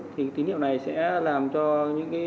thì tín hiệu này sẽ làm cho những